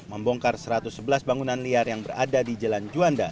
membongkar satu ratus sebelas bangunan liar yang berada di jalan juanda